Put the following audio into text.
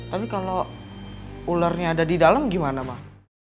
tapi kalau ularnya ada di dalam gimana mah